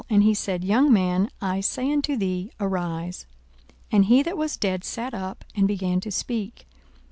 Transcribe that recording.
And he said, Young man, I say unto thee, Arise. 42:007:015 And he that was dead sat up, and began to speak.